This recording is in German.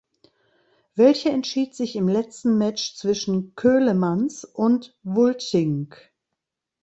Welche entschied sich im letzten Match zwischen Ceulemans und Vultink.